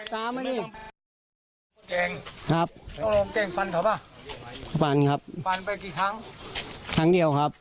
ตามมาดิงครับเขาลองแจ้งฟันเขาป่ะฟันครับฟันไปกี่ครั้งครั้งเดียวครับ